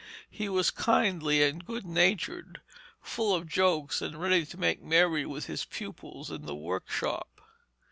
He was kindly and good natured, full of jokes, and ready to make merry with his pupils in the workshop.